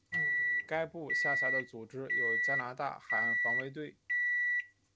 该部下辖的组织有加拿大海岸防卫队。